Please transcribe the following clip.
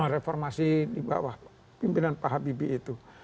reformasi di bawah pimpinan pak habibie itu